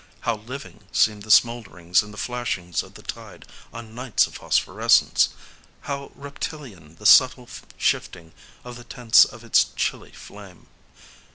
How living seem the smoulderings and the flashings of the tide on nights of phosphorescence!—how reptilian the subtle shifting of the tints of its chilly flame!